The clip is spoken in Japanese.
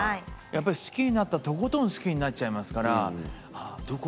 好きになったらとことん好きになっちゃいますから。